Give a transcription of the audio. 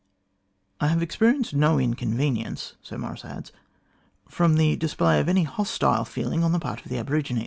"I have experienced no inconvenience," Sir Maurice adds, "from the display of any hostile feeling on the part of the aborigine!?.